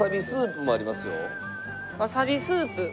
わさびスープ？